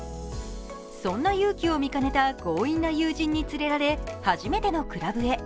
そんな優貴を見かねた強引な友人に連れられ初めてのクラブへ。